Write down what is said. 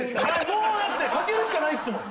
もうだって賭けるしかないですもん。